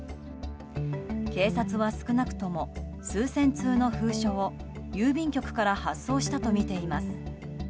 警察は少なくとも数千通の封書を郵便局から発送したとみています。